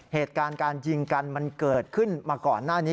เหตุการณ์การยิงกันมันเกิดขึ้นมาก่อนหน้านี้